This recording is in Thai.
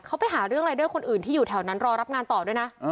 เขาไปหาเรื่องรายเดอร์คนอื่นที่อยู่แถวนั้นรอรับงานต่อด้วยนะ